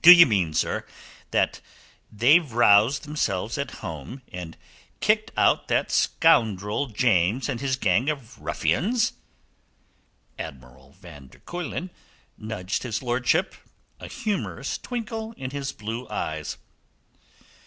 "D'ye mean, sir, that they've roused themselves at home, and kicked out that scoundrel James and his gang of ruffians?" Admiral van der Kuylen nudged his lordship, a humourous twinkle in his blue eyes.